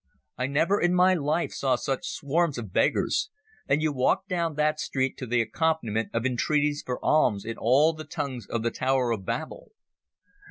I never in my life saw such swarms of beggars, and you walked down that street to the accompaniment of entreaties for alms in all the tongues of the Tower of Babel.